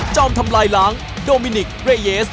อมทำลายล้างโดมินิกเรเยส